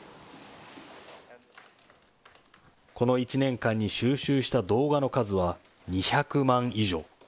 この１年間に収集した動画の数は２００万以上。